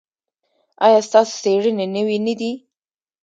ایا ستاسو څیړنې نوې نه دي؟